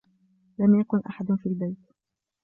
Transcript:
لم يكن أحد في البيت.